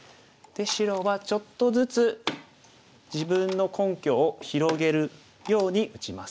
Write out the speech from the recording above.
白はちょっとずつ自分の根拠を広げるように打ちます。